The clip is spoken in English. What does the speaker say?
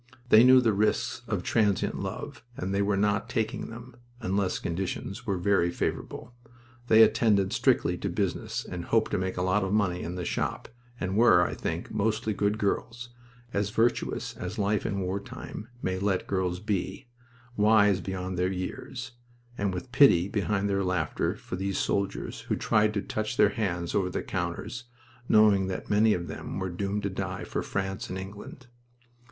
They knew the risks of transient love and they were not taking them unless conditions were very favorable. They attended strictly to business and hoped to make a lot of money in the shop, and were, I think, mostly good girls as virtuous as life in war time may let girls be wise beyond their years, and with pity behind their laughter for these soldiers who tried to touch their hands over the counters, knowing that many of them were doomed to die for France and England.